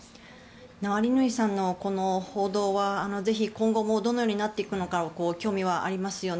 ナワリヌイさんのこの報道はどのようになっていくのか興味がありますよね。